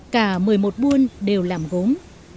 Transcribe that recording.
cả một mươi một buôn đều làm gốm